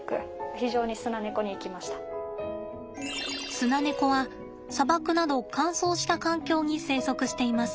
スナネコは砂漠など乾燥した環境に生息しています。